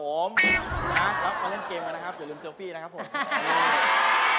แล้วเขาเล่นเกมกันนะครับอย่าลืมเซลฟี่นะครับผม